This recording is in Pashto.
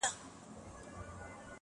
• د طلا به دوه خورجینه درکړم تاته -